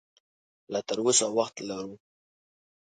لا تراوسه وخت لرو